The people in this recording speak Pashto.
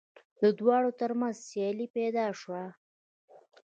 د دواړو تر منځ سیالي پیدا شوه